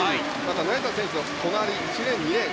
成田選手の隣１レーン２レーン